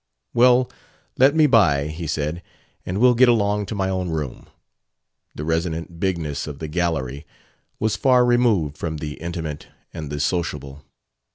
"Well, let me by," he said, "and we'll get along to my own room." The resonant bigness of the "gallery" was far removed from the intimate and the sociable.